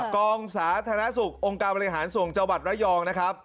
กองสาธารณสุของค์การบริหารส่วนจวัตรรายองค์